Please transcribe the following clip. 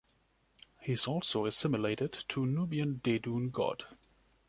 He is also assimilated to Nubian Dedun god.